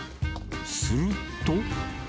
すると。